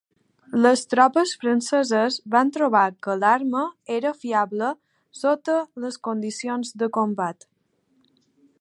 Les tropes franceses van trobar que l'arma era fiable sota les condicions de combat.